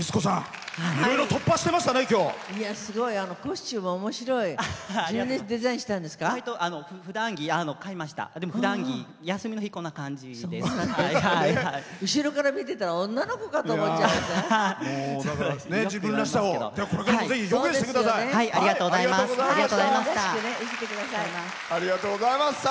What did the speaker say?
後ろから見てたら女の子かと思っちゃった。